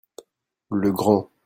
Le grand.